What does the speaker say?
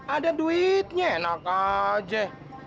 ada duitnya enak aja